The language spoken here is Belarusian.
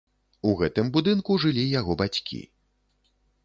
У гэтым будынку жылі яго бацькі.